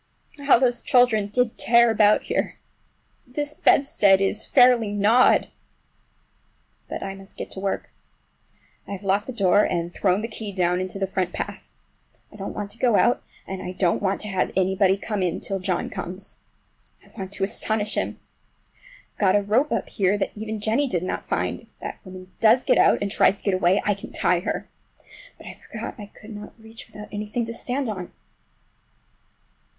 How those children did tear about here! This bedstead is fairly gnawed! But I must get to work. I have locked the door and thrown the key down into the front path. I don't want to go out, and I don't want to have anybody come in, till John comes. I want to astonish him. I've got a rope up here that even Jennie did not find. If that woman does get out, and tries to get away, I can tie her! But I forgot I could not reach far without anything to stand on!